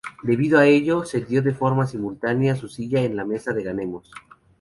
Debido a ello cedió de forma simultánea su silla en la Mesa de Ganemos.